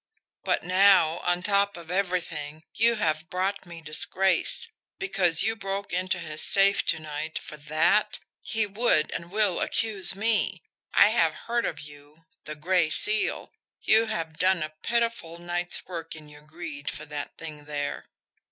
"But now, on top of everything, you have brought me disgrace because you broke into his safe to night for THAT? He would and will accuse me. I have heard of you the Gray Seal you have done a pitiful night's work in your greed for that thing there."